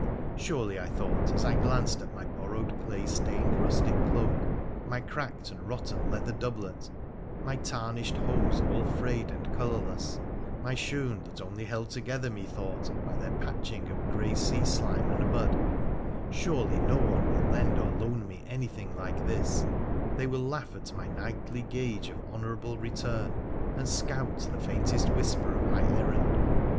Surely, I thought, as I glanced at my bor rowed clay stained rustic cloak, my cracked and rotten leather doublet, my tarnished hose all frayed and colourless, my shoon, that only held together, methought, by their patching of grey sea slime and mud, surely no one will lend or loan me anything like this ; they will laugh at my knightly gage of honourable return, and scout the faintest whisper of my errand